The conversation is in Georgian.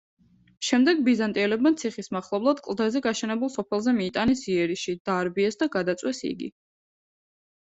შემდეგ ბიზანტიელებმა ციხის მახლობლად კლდეზე გაშენებულ სოფელზე მიიტანეს იერიში, დაარბიეს და გადაწვეს იგი.